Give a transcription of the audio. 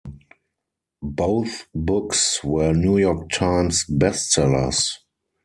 Both books were New York Times best-sellers.